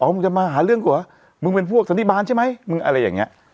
อ๋อมึงจะมาหาเรื่องกันหรอมึงเป็นผู้อักษรณีบาลใช่ไหมมึงอะไรอย่างเงี้ย